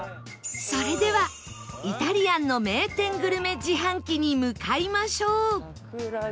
それではイタリアンの名店グルメ自販機に向かいましょう